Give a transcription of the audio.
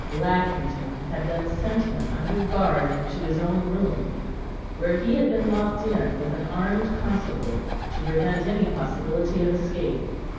Lackington had then sent him under guard to his own room, where he had been locked in with an armed constable to prevent any possibility of escape.